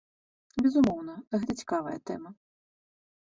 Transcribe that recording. Безумоўна, гэта цікавая тэма.